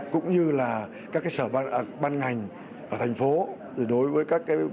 cũng như các sở ban ngành ở thành phố đối với các bộ liên quan